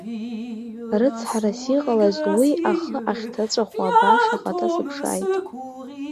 Рыцҳарас иҟалаз, уи ахы ахьҭаҵәаху абааш ахаҭа сыԥшааит.